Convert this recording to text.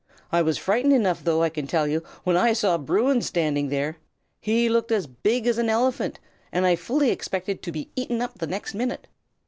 I was frightened enough, though, I can tell you, when I saw Bruin standing there. He looked as big as an elephant, and I fully expected to be eaten up the next minute.